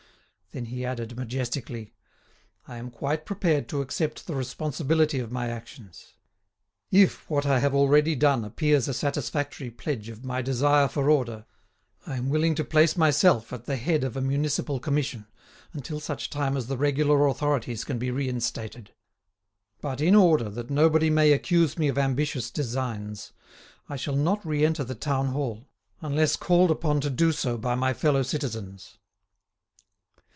Then he added, majestically: "I am quite prepared to accept the responsibility of my actions. If what I have already done appears a satisfactory pledge of my desire for order, I am willing to place myself at the head of a municipal commission, until such time as the regular authorities can be reinstated. But, in order, that nobody may accuse me of ambitious designs, I shall not re enter the Town Hall unless called upon to do so by my fellow citizens."